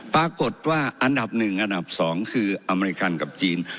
ปรากฏว่าอันดับ๑อันดับ๒คืออเมริกันกับจีน